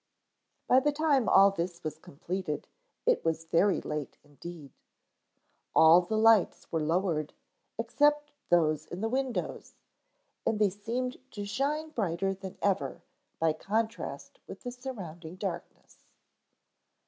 By the time all this was completed it was very late indeed. All the lights were lowered except those in the windows, and they seemed to shine brighter than ever by contrast with the surrounding darkness.